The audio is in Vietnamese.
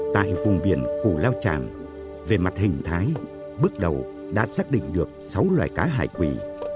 tại vùng biển củ lao tràng về mặt hình thái bước đầu đã xác định được sáu loại cá hải quỳ